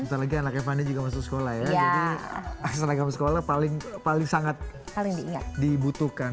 setelah lagi anaknya fanny juga masuk sekolah ya jadi seragam sekolah paling sangat dibutuhkan